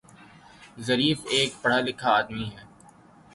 Zarif ایک پڑھا لکھا آدمی ہے